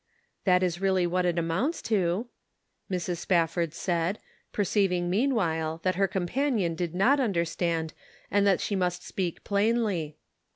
" That is really what it amounts to," Mrs. Spafford said, perceiving meanwhile that her companion did not understand, and that she must speak plainly.